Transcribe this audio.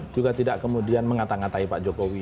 juga tidak kemudian mengatang ngatai pak jokowi